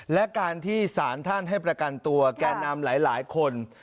และการที่สารท่านให้ประกันตัวแก่นำหลายคน